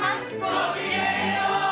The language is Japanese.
ごきげんよう！